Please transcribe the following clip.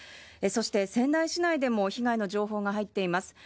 そして仙台市内でも被害の情報が入っています。